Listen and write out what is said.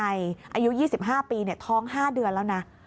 อายุ๒๕ปีท้อง๕เดือนแล้วนะ